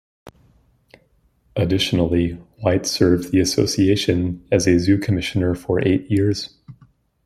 Additionally, White served the association as a Zoo Commissioner for eight years.